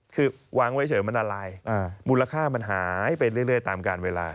คือวางไว้เฉยมันอะไรมูลค่ามันหายไปเรื่อยตามการเวลา